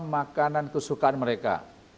makanan kesukaan mereka